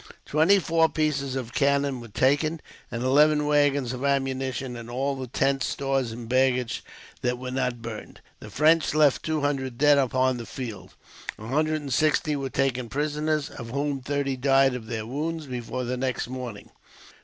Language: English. Twenty four pieces of cannon were taken, and eleven waggons of ammunition, and all the tents, stores, and baggage that were not burned. The French left two hundred dead upon the field. A hundred and sixty were taken prisoners, of whom thirty died of their wounds before the next morning.